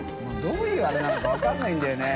發どういうあれなのか分からないんだよね。